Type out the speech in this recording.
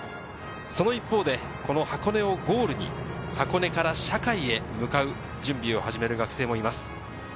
その一方で箱根をゴールに、箱根から社会へ向かう準備を始める学生もいます。